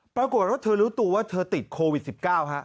ปรากฏว่าเธอรู้ตัวว่าเธอติดโควิด๑๙ฮะ